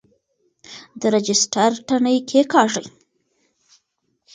د رجسټر تڼۍ کیکاږئ.